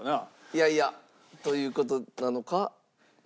いやいやという事なのか。